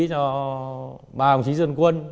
cho ba đồng chí dân quân